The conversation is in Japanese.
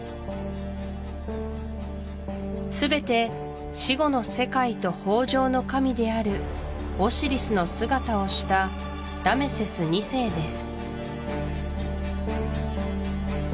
全て死後の世界と豊穣の神であるオシリスの姿をしたラメセス２世です